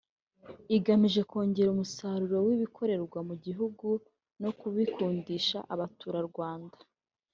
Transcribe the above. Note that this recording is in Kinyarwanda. igamije kongera umusaruro w’ibikorerwa mu gihugu no kubikundisha Abaturarwanda